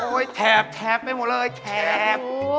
โอ้โฮแถบไม่มีอะไรแถบ